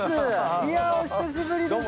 いやー、お久しぶりです。